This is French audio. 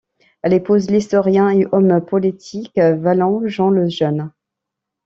Elle épouse l'historien et homme politique wallon Jean Lejeune.